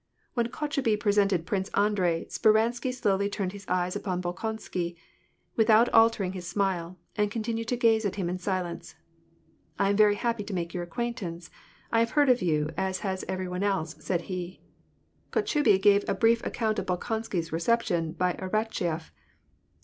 When Kotchubey presented Prince Andrei, Sper ansky slowly turned his eyes upon Bolkonsky, without alter ing his smile, and continued to gaze at him in silence. " I am very happy to make your acquaintance : I have heard of you, as every one else has," said he. Kotchubey gave a brief account of Bolkonsky 's reception by Arakcheyef.